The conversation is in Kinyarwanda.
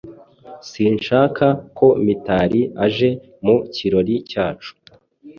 Sinshaka ko Mitari aje mu kirori cyacu.